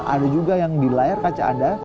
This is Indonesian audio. ada juga yang di layar kaca anda